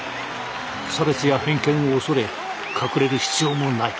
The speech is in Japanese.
差別や偏見を恐れ隠れる必要もない。